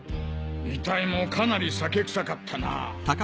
遺体もかなり酒くさかったな。